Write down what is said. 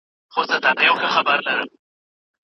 پر ښار به دي جنډۍ غوندي رپېږې شپه په خیر